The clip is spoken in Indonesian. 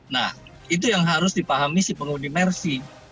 nah itu yang harus dipahami si pengemudi mercy